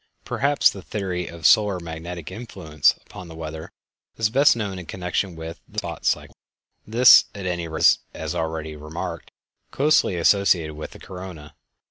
Perhaps the theory of solar magnetic influence upon the weather is best known in connection with the "sun spot cycle." This, at any rate, is, as already remarked, closely associated with the corona.